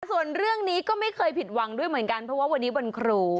ส่วนเรื่องนี้ก็ไม่เคยผิดหวังด้วยเหมือนกันเพราะว่าวันนี้วันครู